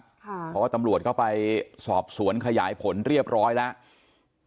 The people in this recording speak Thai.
เพราะว่าตำรวจก็ไปสอบสวนขยายผลเรียบร้อยแล้ว